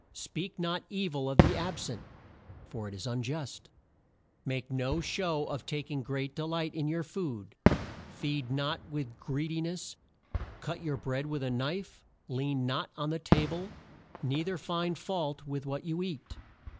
"Speak not e vil of the ab sent, for it is un just. "Make no show of ta king great delight in your food; feed not with greed i ness; cut your bread with a knife; lean not on the ta ble; nei ther find fault with what you eat.